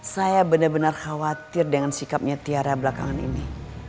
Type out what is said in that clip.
saya bener bener khawatir dengan sikapnya tiara belakangan ini